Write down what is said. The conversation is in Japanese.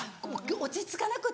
落ち着かなくて。